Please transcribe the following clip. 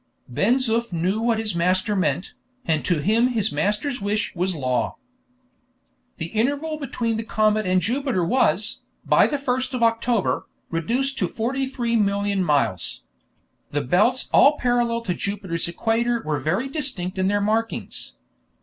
Ben Zoof knew what his master meant, and to him his master's wish was law. The interval between the comet and Jupiter was, by the 1st of October, reduced to 43,000,000 miles. The belts all parallel to Jupiter's equator were very distinct in their markings.